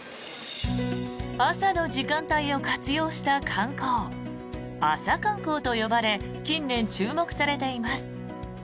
朝の時間帯を活用した観光朝観光と呼ばれ近年、注目されています。